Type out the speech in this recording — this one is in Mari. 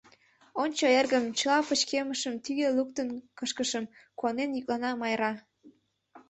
— Ончо, эргым, чыла пычкемышым тӱгӧ луктын кышкышым, — куанен йӱклана Майра.